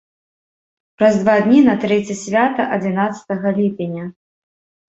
Праз два дні на трэці свята адзінаццатага ліпеня.